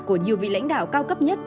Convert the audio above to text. của nhiều vị lãnh đạo cao cấp nhất